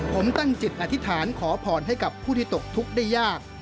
ผมตั้งจิตอธิษฐานขอพรให้กับผู้ที่ตกทุกข์ได้ยาก